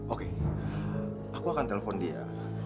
oke aku akan telepon dia